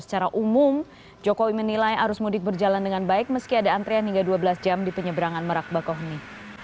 secara umum jokowi menilai arus mudik berjalan dengan baik meski ada antrian hingga dua belas jam di penyeberangan merak bakoh ini